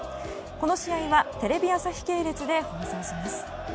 この試合は、テレビ朝日系列で放送します。